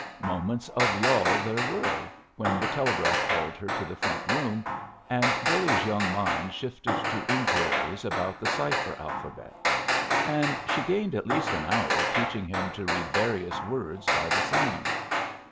Moments of lull there were, when the telegraph called her to the front room, and Billy's young mind shifted to inquiries about the cipher alphabet. And she gained at least an hour teaching him to read various words by the sound.